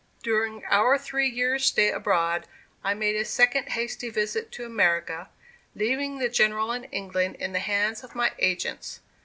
During our three years' stay abroad, I made a second hasty visit to America, leaving the General in England in the hands of my agents.